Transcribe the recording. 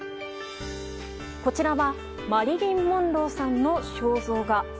こちらはマリリン・モンローさんの肖像画。